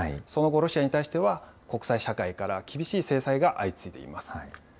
その後、ロシアに対しては、国際社会から厳しい制裁が相次いでいます。